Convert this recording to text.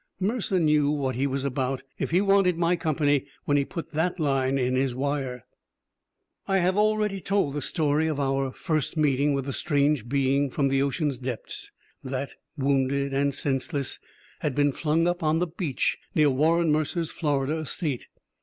Mercer knew what he was about, if he wanted my company, when he put that line in his wire. I have already told the story of our first meeting with the strange being from the ocean's depths that, wounded and senseless, had been flung up on the beach near Warren Mercer's Florida estate.